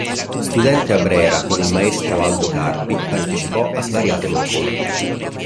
Studente a Brera con il maestro Aldo Carpi, partecipò a svariate mostre.